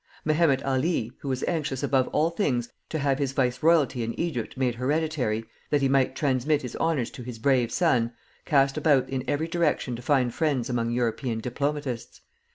Mehemet Ali, who was anxious above all things to have his viceroyalty in Egypt made hereditary, that he might transmit his honors to his brave son, cast about in every direction to find friends among European diplomatists.